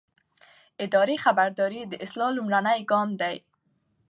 اداري خبرداری د اصلاح لومړنی ګام دی.